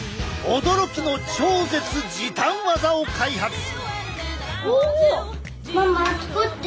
驚きの超絶時短技を開発！